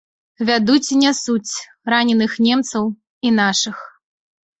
Вядуць і нясуць раненых немцаў і нашых.